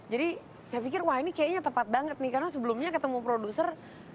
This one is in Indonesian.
jadi saya pikir wah ini kayaknya tepat banget nih karena sebelumnya ketemu produser